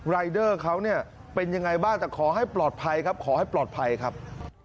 รายเดอร์เขาเนี่ยเป็นยังไงบ้างแต่ขอให้ปลอดภัยครับขอให้ปลอดภัยครับ